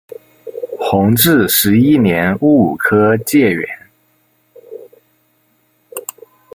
弘治十一年戊午科解元。